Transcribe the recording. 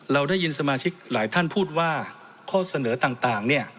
เราได้ยินสมาชิกหลายท่านพูดว่าข้อเสนอต่างเนี่ย